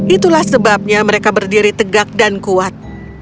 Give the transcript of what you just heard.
itulah sebabnya mereka berdiri tegak dan kuat